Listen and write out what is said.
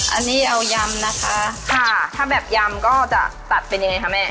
อันนี้เอายำนะคะค่ะถ้าแบบยำก็จะตัดเป็นยังไงคะแม่